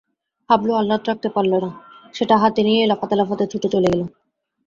হাবলু আহ্লাদ রাখতে পারলে না– সেটা হাতে নিয়েই লাফাতে লাফাতে ছুটে চলে গেল।